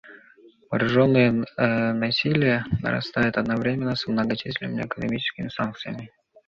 Вооруженное насилие нарастает одновременно с многочисленными экономическими санкциями.